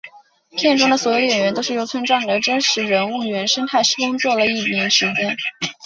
片中的所有演员都是由村庄里的真实人物原生态工作了一年时间。